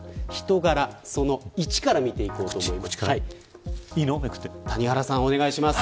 人柄、その１から見ていこうと思います。